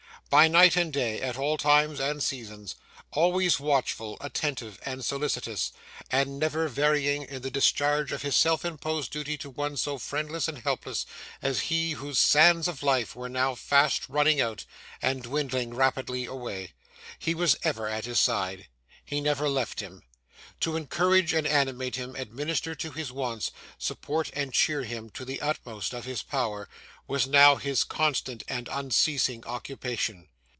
By night and day, at all times and seasons: always watchful, attentive, and solicitous, and never varying in the discharge of his self imposed duty to one so friendless and helpless as he whose sands of life were now fast running out and dwindling rapidly away: he was ever at his side. He never left him. To encourage and animate him, administer to his wants, support and cheer him to the utmost of his power, was now his constant and unceasing occupation.